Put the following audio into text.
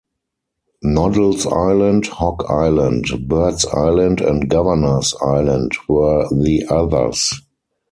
Noddle's Island, Hog Island, Bird's Island and Governor's Island were the others.